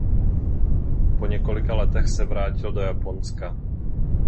Po několika letech se vrátil do Japonska.